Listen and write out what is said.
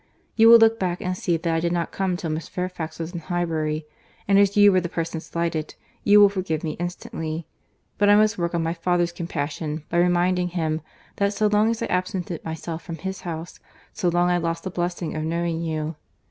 You will look back and see that I did not come till Miss Fairfax was in Highbury; and as you were the person slighted, you will forgive me instantly; but I must work on my father's compassion, by reminding him, that so long as I absented myself from his house, so long I lost the blessing of knowing you.